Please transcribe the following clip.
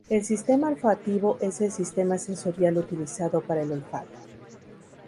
El sistema olfativo es el sistema sensorial utilizado para el olfato.